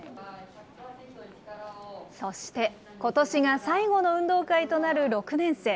そして、ことしが最後の運動会となる６年生。